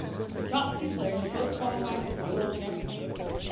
The top two players both qualified for the World Championship.